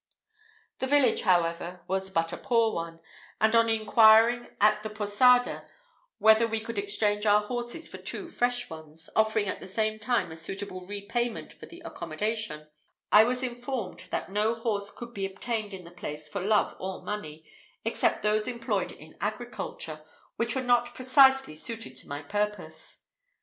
The village, however, was but a poor one, and on inquiring at the posada whether we could exchange our horses for two fresh ones, offering at the same time a suitable repayment for the accommodation, I was informed that no horse could be obtained in the place for love or money, except those employed in agriculture, which were not precisely suited to my purpose.